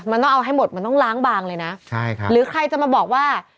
มันต้องเอาให้หมดมันต้องล้างบางเลยนะใช่ครับหรือใครจะมาบอกว่า